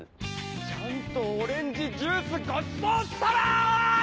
ちゃんとオレンジジュースごちそうしたわい！